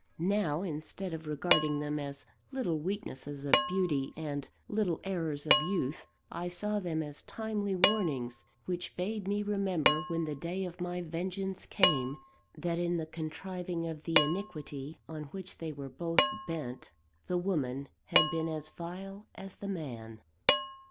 Now, instead of regarding them as little weaknesses of beauty, and little errors of youth, I saw them as timely warnings, which bade me remember when the day of my vengeance came, that in the contriving of the iniquity on which they were both bent, the woman had been as vile as the man.